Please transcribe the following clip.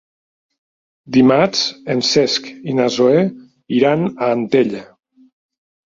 Dimarts en Cesc i na Zoè iran a Antella.